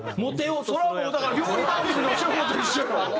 それはもうだから料理番組の手法と一緒よ。